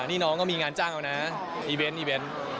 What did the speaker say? นี่น้องก็มีงานจ้างแล้วนะอีเวนต์